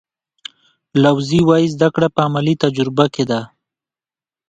لاوزي وایي زده کړه په عملي تجربه کې ده.